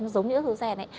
nó giống như ớt rô gen ấy